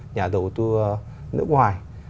nhà đầu tư nước ngoài